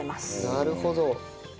なるほど。